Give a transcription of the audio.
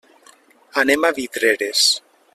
Anem a Vidreres.